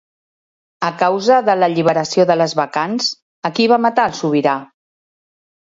A causa de l'alliberació de les bacants, a qui va matar el sobirà?